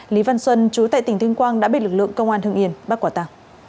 lý văn xuân trú tại tỉnh thương quang đã bị lực lượng công an hương yên bắt quả tà